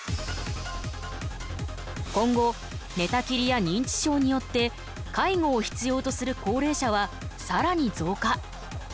今後寝たきりや認知症によって介護を必要とする高齢者はさらに増加。